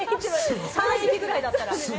３駅くらいだったら。